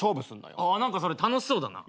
何かそれ楽しそうだな。